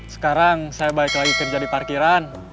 sekarang saya balik lagi kerja di parkiran